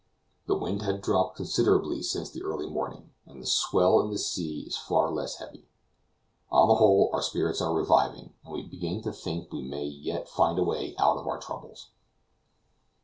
The wind has dropped considerably since the early morning, and the swell in the sea is far less heavy. On the whole our spirits are reviving and we begin to think we may yet find a way out of our troubles.